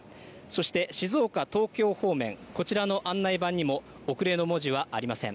そして静岡、東京方面、こちらの案内板にも遅れの文字はありません。